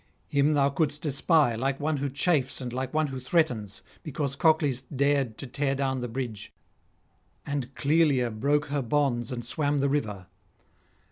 Him thou couldst espy like one who chafes and like one who threatens, because Cocles dared to tear down the bridge, and Cloelia broke her bonds and swam the river.